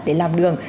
để làm đường